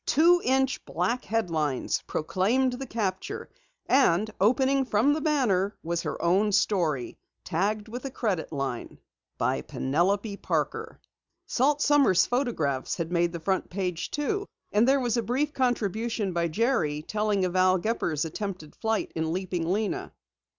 Two inch, black headlines proclaimed the capture, and opening from the banner was her own story tagged with a credit line: by Penelope Parker. Salt Sommer's photographs had made the front page, too, and there was a brief contribution by Jerry telling of Al Gepper's attempted flight in Leaping Lena.